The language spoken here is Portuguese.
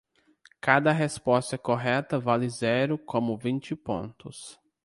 Cada resposta correta vale zero como vinte pontos.